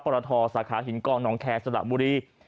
รทสาขาหินกองหนองแคร์สระบุรี